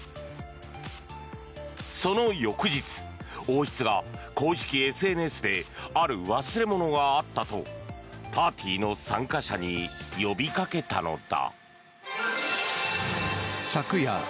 その翌日、王室が公式ＳＮＳである忘れ物があったとパーティーの参加者に呼びかけたのだ。